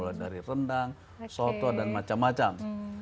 mulai dari rendang soto dan macam macam